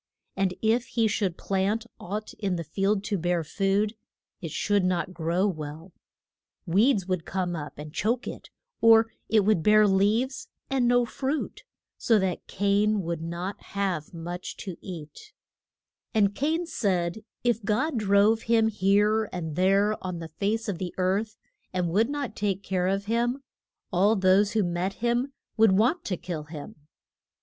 And if he should plant aught in the field to bear food, it should not grow well. Weeds would come up and choke it, or it would bear leaves and no fruit, so that Cain would not have much to eat. [Illustration: THE DEATH OF A BEL.] And Cain said if God drove him here and there on the face of the earth, and would not take care of him, all those who met him would want to kill him.